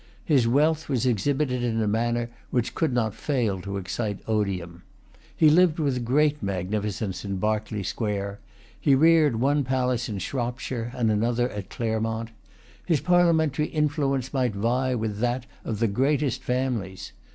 His wealth was exhibited in a manner which could not fail to excite odium. He lived with great magnificence in Berkeley Square. He reared one palace in Shropshire and another at Claremont. His parliamentary influence might vie with that of the greatest families.